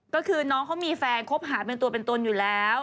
ก็คือน้องเขามีแฟนคบหาเป็นตัวเป็นตนอยู่แล้ว